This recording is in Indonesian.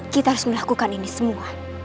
kita harus melakukan ini semua